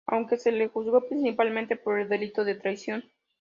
Aunque se le juzgó principalmente por el delito de traición.